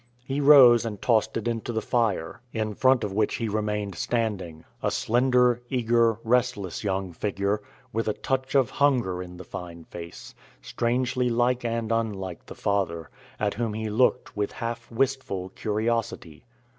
He rose and tossed it into the fire, in front of which he remained standing a slender, eager, restless young figure, with a touch of hunger in the fine face, strangely like and unlike the father, at whom he looked with half wistful curiosity.